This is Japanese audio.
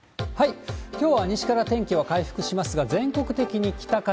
きょうは西から天気が回復しますが、全国的に北風、